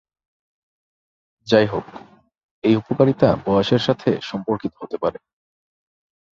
যাইহোক, এই উপকারিতা বয়সের সাথে সম্পর্কিত হতে পারে।